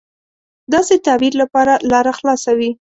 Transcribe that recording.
داسې تعبیر لپاره لاره خلاصه وي.